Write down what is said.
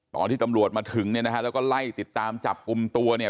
ตอนที่ตำรวจมาถึงเนี่ยนะฮะแล้วก็ไล่ติดตามจับกลุ่มตัวเนี่ย